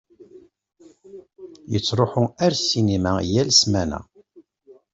Yettṛuḥu ar ssinima yal ssmana.